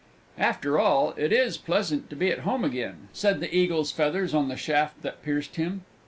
"After all, it is pleasant to be at home again!" said the Eagle's feathers on the shaft that pierced him.